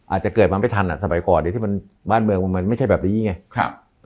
อาจจะเกิดมาไม่ทันอ่ะสมัยก่อนที่มันบ้านเมืองมันไม่ใช่แบบนี้ไง